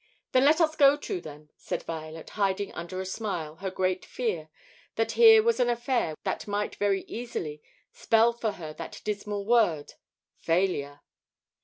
"Then let us go to them," said Violet, hiding under a smile her great fear that here was an affair which might very easily spell for her that dismal word, failure.